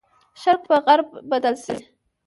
شرق به په غرب بدل شي.